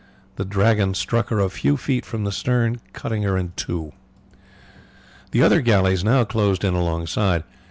The Dragon struck her a few feet from the stern, cutting her in two. The other galleys now closed in alongside.